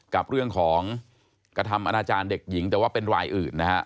กับเรื่องของกระทำอนาจารย์เด็กหญิงแต่ว่าเป็นรายอื่นนะฮะ